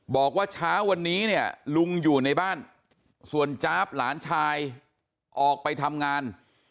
บอกว่าเช้าวันนี้เนี่ยลุงอยู่ในบ้านส่วนจ๊าบหลานชายออกไปทำงาน